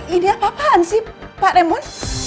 ini apaan sih pak remon